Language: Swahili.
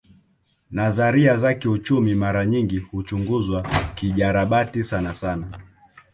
Nadharia za kiuchumi mara nyingi huchunguzwa kijarabati sanasana